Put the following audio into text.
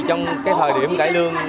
trong cái thời điểm cải lương